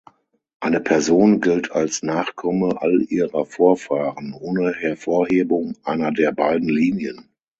Eine Person gilt als Nachkomme all ihrer Vorfahren, ohne Hervorhebung einer der beiden Linien.